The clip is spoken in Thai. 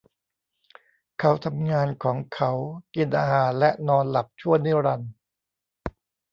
เขาทำงานของเขากินอาหารและนอนหลับชั่วนิรันดร์ !